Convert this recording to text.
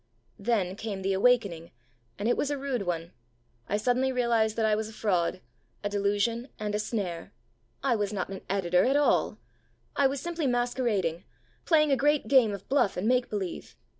Then came the awakening, and it was a rude one. I suddenly realized that I was a fraud, a delusion, and a snare. I was not an editor at all. I was simply masquerading, playing a great game of bluff and make believe.